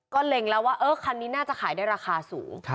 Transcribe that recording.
เล็งแล้วว่าคันนี้น่าจะขายได้ราคาสูง